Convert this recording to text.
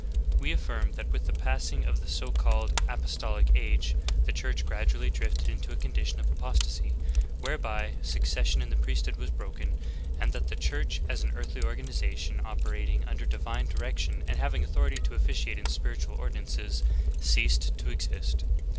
^ 4. We affirm that with the passing of the so called apos tolic age the Church gradually , drifted into a condition of apostasy, whereby succession in the priesthood was broken ; and that the Church, as an earthly organization operating a See Mark 16: 17. THE APOSTASY PREDICTED. 19 under divine direction and having authority to officiate in spiritual ordinances, ceased to exist.